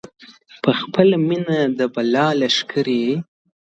پر خپله مېنه د بلا لښکري!